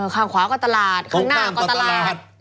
ข้างขวาก็ตลาดข้างหน้าก็ตลาด